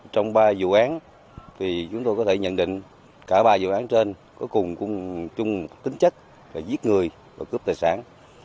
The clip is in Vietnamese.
trong ba vụ án thì chúng tôi có thể nhận định cả ba vụ án trên có cùng chung tính chất là giết người và cướp tài sản